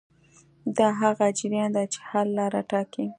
دا هغه جریان دی چې حل لاره ټاکي.